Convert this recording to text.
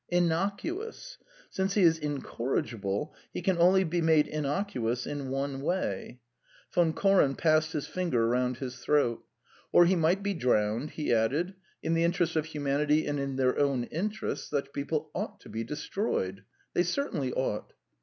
"Innocuous. Since he is incorrigible, he can only be made innocuous in one way. ..." Von Koren passed his finger round his throat. "Or he might be drowned ...", he added. "In the interests of humanity and in their own interests, such people ought to be destroyed. They certainly ought."